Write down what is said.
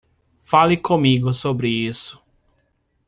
Fale comigo sobre isso.